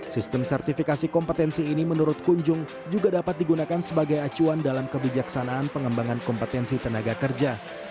sistem sertifikasi kompetensi ini menurut kunjung juga dapat digunakan sebagai acuan dalam kebijaksanaan pengembangan kompetensi tenaga kerja